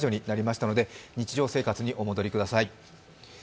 日常生活にお戻りください。